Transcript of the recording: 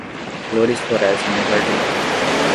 Flores florescem no jardim.